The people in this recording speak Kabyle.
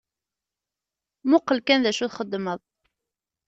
Muqel kan d acu txeddmeḍ.